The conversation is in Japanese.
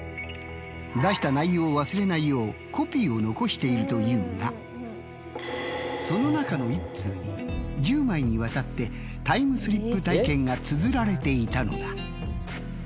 出した内容を忘れないようコピーを残しているというがその中の１通に１０枚にわたってタイムスリップ体験がつづられていたのだ。